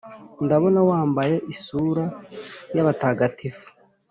ndabona wambaye isura yabatagatifu,